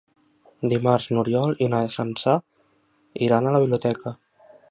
Dimarts n'Oriol i na Sança iran a la biblioteca.